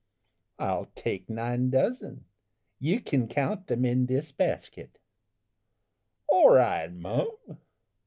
"I'll take nine dozen. You can count them in this basket." "All right, mum."